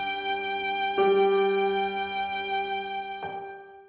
โทษทีครับ